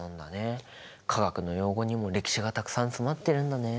化学の用語にも歴史がたくさん詰まってるんだね。